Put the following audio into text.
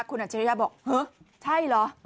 คุณอัชริยะบอกหึใช่หรอ